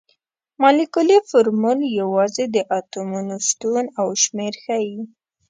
مالیکولي فورمول یوازې د اتومونو شتون او شمیر ښيي.